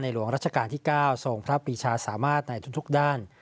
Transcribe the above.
หลวงราชการที่๙ทรงพระปีชาสามารถในทุกด้าน